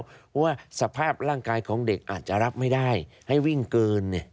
เพราะว่าสภาพร่างกายของเด็กอาจจะรับไม่ได้ให้วิ่งเกิน